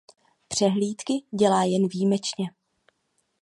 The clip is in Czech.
Přehlídky dělá jen výjimečně.